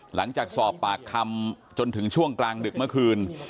หลังจากสอบปากคำจนถึงช่วงกลางดึกเมื่อคืน